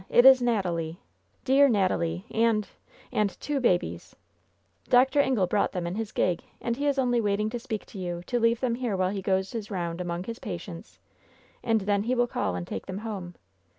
It is Natalie I Dear Natalie and — and two babies ! Dr. Ingle brought them in his gig, and he is only waiting to speak to you, to leave them here while he goes his round among his patients, and then he will call and take them home!